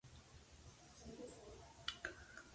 Recibió la insignia de oro y brillantes de la Real Sociedad.